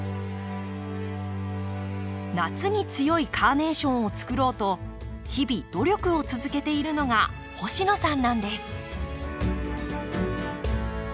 夏に強いカーネーションをつくろうと日々努力を続けているのが星野さんなんです。